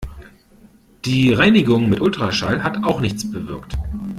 Die Reinigung mit Ultraschall hat auch nichts bewirkt.